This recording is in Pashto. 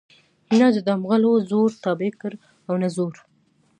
نه دمغلو زور تابع کړ او نه زرو